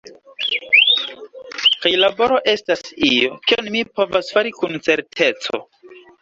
Kaj laboro estas io, kion mi povas fari kun certeco.